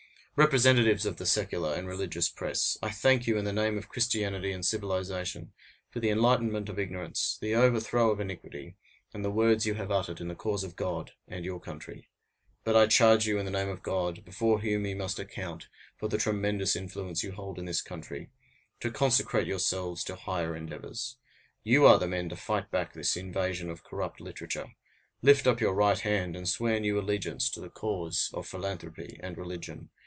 Representatives of the secular and religious press! I thank you, in the name of Christianity and civilization, for the enlightenment of ignorance, the overthrow of iniquity, and the words you have uttered in the cause of God and your country. But I charge you in the name of God, before whom you must account for the tremendous influence you hold in this country, to consecrate yourselves to higher endeavors. You are the men to fight back this invasion of corrupt literature. Lift up your right hand and swear new allegiance to the cause of philanthropy and religion.